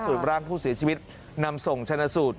ส่วนร่างผู้เสียชีวิตนำส่งชนะสูตร